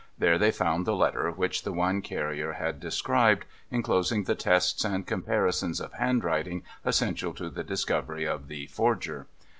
There they found the letter which the wine carrier had described, enclosing the tests and comparisons of handwriting essential to the discovery of the Forger.